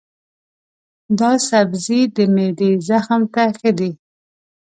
دا سبزی د معدې زخم ته ښه دی.